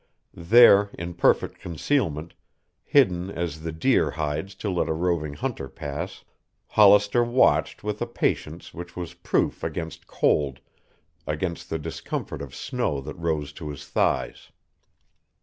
There, in perfect concealment, hidden as the deer hides to let a roving hunter pass, Hollister watched with a patience which was proof against cold, against the discomfort of snow that rose to his thighs.